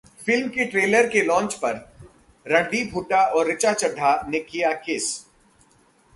film के trailer launch पर रणदीप हुड्डा और ऋचा चड्ढा ने किया किस